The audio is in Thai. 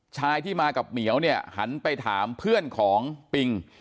ชายที่มากับเหมียวเนี่ยหันไปถามเพื่อนของปิง